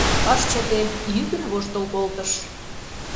Ыш чыте, йӱкын воштыл колтыш.